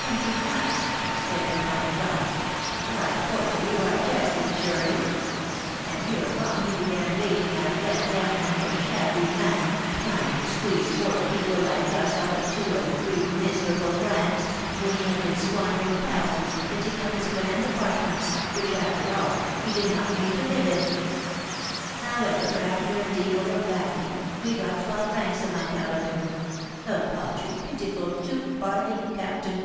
'Twenty francs!' exclaimed the commandant. 'Why, porter, you are jesting, surely!' And hereupon he began bating Alfred down in the most shabby manner, trying to squeeze poor people like us out of two or three miserable francs, when he had been squandering thousands in fitting up his grand apartments, which, after all, he did not mean to live in! However, after a deal of battling, we got twelve francs a month out of him, a paltry, pitiful, two farthing captain!